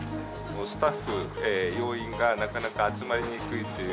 スタッフ、要員がなかなか集まりにくいという。